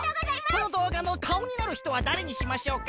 そのどうがのかおになるひとはだれにしましょうか？